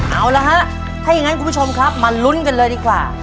เอาละฮะถ้าอย่างนั้นคุณผู้ชมครับมาลุ้นกันเลยดีกว่า